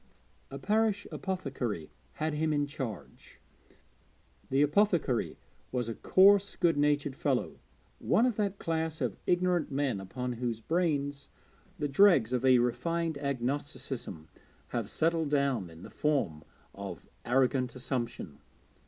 A parish apothecary had him in charge. The apothecary was a coarse good natured fellow, one of that class of ignorant men upon whose brains the dregs of a refined agnosticism have settled down in the form of arrogant assumption.